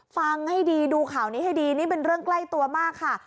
ฟังให้ดีดูข่าวนี้ให้ดีนี่เป็นเรื่องใกล้ตัวมากค่ะ